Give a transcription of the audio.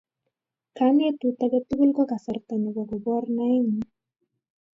Kanetut age tugul ko kasarta nebo kopor naengung